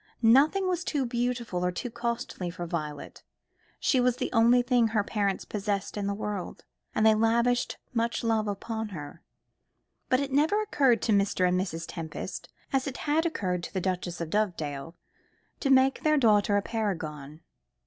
Nothing was too beautiful or too costly for Violet. She was the one thing her parents possessed in the world, and they lavished much love upon her; but it never occurred to Mr. and Mrs. Tempest, as it had occurred to the Duchess of Dovedale to make their daughter a paragon.